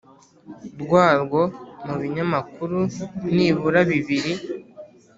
rwarwo, mu binyamakuru nibura bibiri